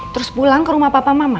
terus pulang ke rumah papa mama